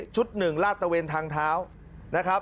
ชุด๑ลาตะเวนทางเท้า